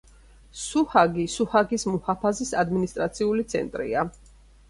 სუჰაგი სუჰაგის მუჰაფაზის ადმინისტრაციული ცენტრია.